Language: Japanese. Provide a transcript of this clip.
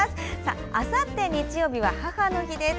あさって、日曜日は母の日です。